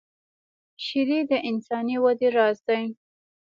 شیدې د انساني وده راز دي